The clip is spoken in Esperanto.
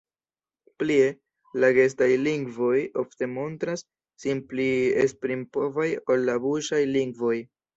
Plie, la gestaj lingvoj ofte montras sin pli esprimpovaj ol la buŝaj lingvoj.